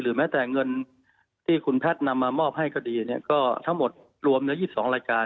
หรือแบบเงินที่คุณแพทย์นำมามอบให้ก็ดีก็ทั้งหมดรวมใน๒๒รายการ